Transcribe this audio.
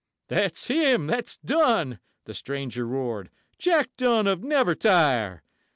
'THAT'S HIM! THAT'S DUNN!' the stranger roared, 'Jack Dunn of Nevertire!